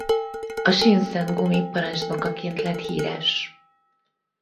A Sinszengumi parancsnokaként lett híres.